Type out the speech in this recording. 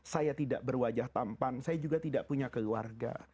saya tidak berwajah tampan saya juga tidak punya keluarga